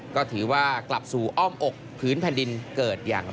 ก็ถือว่ากลับสู่อ้อมอกผืนแผ่นดิน